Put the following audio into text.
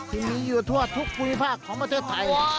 ที่มีอยู่ทั่วทุกภูมิภาคของประเทศไทย